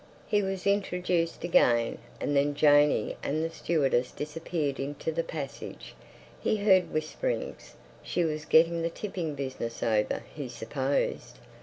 He was introduced again, and then Janey and the stewardess disappeared into the passage. He heard whisperings. She was getting the tipping business over, he supposed.